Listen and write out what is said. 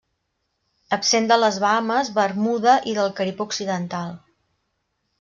Absent de les Bahames, Bermuda i del Carib occidental.